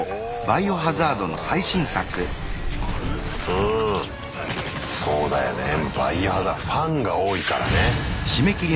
うんそうだよね「バイオハザード」ファンが多いからね。